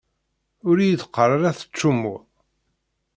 Ur iyi-d-qqaṛ ara teččummuḍ?